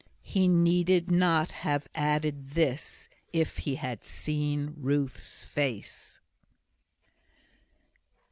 He need not have added this, if he had seen Ruth's face.